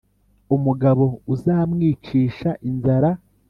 umugabo uzamwicisha inzara.